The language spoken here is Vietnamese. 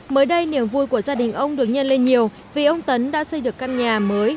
mới đây niềm vui của gia đình ông được nhân lên nhiều vì ông tấn đã xây được căn nhà mới